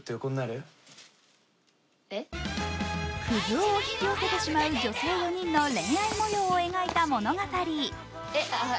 クズ男を引き寄せてしまう女性４人の恋愛模様を描いた物語。